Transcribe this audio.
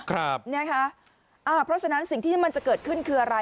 ครับเนี่ยค่ะอ่าเพราะฉะนั้นสิ่งที่มันจะเกิดขึ้นคืออะไร